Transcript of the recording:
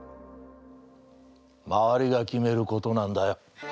周りが決めることなんだよ。